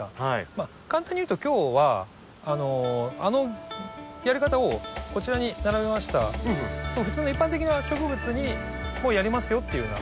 簡単に言うと今日はあのやり方をこちらに並べました普通の一般的な植物にもやりますよっていうような応用ですね。